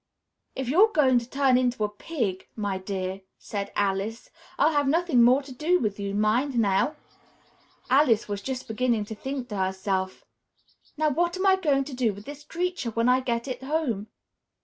"If you're going to turn into a pig, my dear," said Alice, "I'll have nothing more to do with you. Mind now!" Alice was just beginning to think to herself, "Now, what am I to do with this creature, when I get it home?"